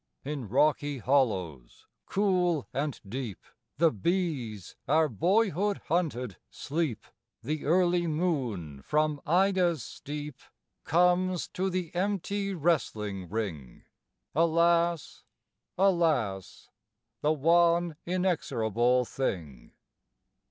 In rocky hollows cool and deep, The bees our boyhood hunted sleep; The early moon from Ida's steep Comes to the empty wrestling ring. (Alas, alas, The one inexorable thing!)